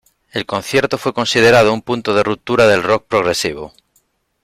El concierto fue considerado un punto de ruptura del rock progresivo.